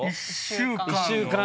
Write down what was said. １週間。